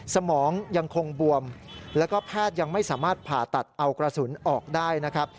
สมองยังคงบวมแล้วก็แพทย์ยังไม่สามารถผ่าตัดเอากระสุนออกได้นะครับ